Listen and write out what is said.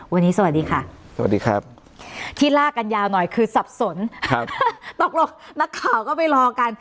วันนี้สวัสดีค่ะที่ลากันยาวหน่อยคือสับสนตกลงนักข่าวก็ไปรอกัน